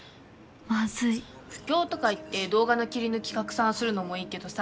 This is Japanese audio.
マズい布教とかいって動画の切り抜き拡散するのもいいけどさ